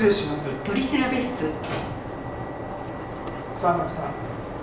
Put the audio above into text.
沢村さん